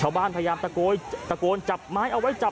เฮ้ยเฮ้ยเฮ้ยเฮ้ย